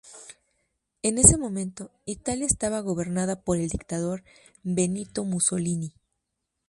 En ese momento, Italia estaba gobernada por el dictador Benito Mussolini.